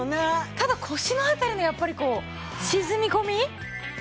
ただ腰の辺りのやっぱりこう沈み込み。